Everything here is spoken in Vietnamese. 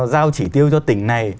giao chỉ tiêu cho tỉnh này